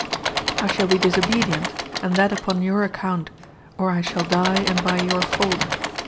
I shall be disobedient, and that upon your account, or I shall die and by your fault.